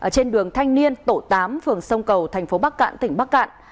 trên đường thanh niên tổ tám phường sông cầu tp bắc cạn tỉnh bắc cạn